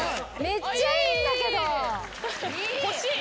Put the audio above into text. めっちゃいいんだけど。